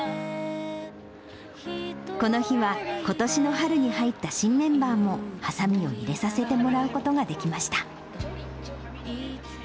この日はことしの春に入った新メンバーもはさみを入れさせてもらうことができました。